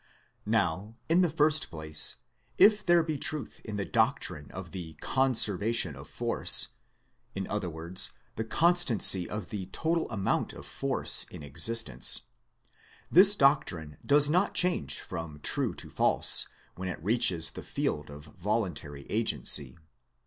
Now, in the first place, if there be truth in the ARGUMENT FOR A FIRST CAUSE 147 doctrine of the Conservation of Force, in other words the constancy of the total amount of Force in existence, this doctrine does not change from true to false when it reaches the field of voluntary agency.